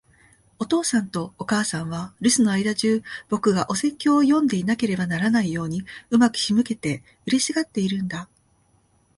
お父さんとお母さんは、留守の間じゅう、僕がお説教を読んでいなければならないように上手く仕向けて、嬉しがっているんだ。